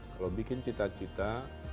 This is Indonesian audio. kalau bikin cita cita